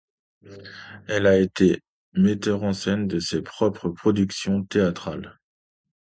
Elle a été metteur en scène de ses propres productions théâtrales.